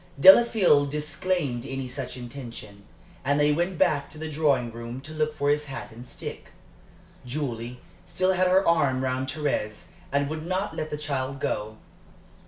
Delafield disclaimed any such intention, and they went back to the drawing room to look for his hat and stick. Julie still had her arm round Thérèse and would not let the child go.